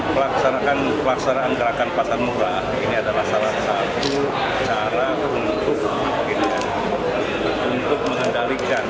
melaksanakan pelaksanaan gerakan pasar murah ini adalah salah satu cara untuk mengendalikan